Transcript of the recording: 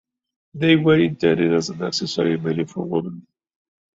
They were intended as an accessory mainly for women.